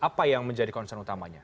apa yang menjadi concern utamanya